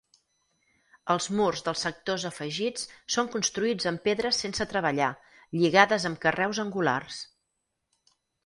Els murs dels sectors afegits són construïts amb pedres sense treballar, lligades amb carreus angulars.